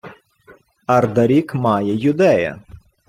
— Ардарік має юдея.